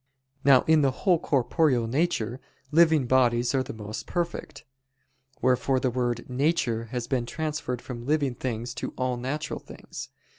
Now in the whole corporeal nature, living bodies are the most perfect: wherefore the word "nature" has been transferred from living things to all natural things.